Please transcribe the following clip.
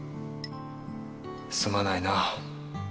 すまないな。